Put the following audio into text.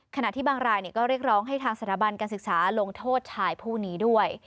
ขณะที่บางรายก็เรียกร้องให้ทางสถาบันการศึกษาลงโทษชายผู้นี้ด้วย